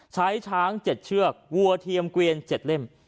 ช้าง๗เชือกวัวเทียมเกวียน๗เล่ม